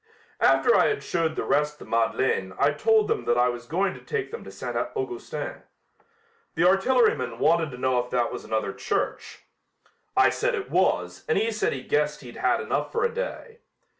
"After I had showed the rest the Madeleine I told them that I was going to take them to St. Augustin. The artilleryman wanted to know if that was another church. I said it was and he said he guessed he'd had enough for a day.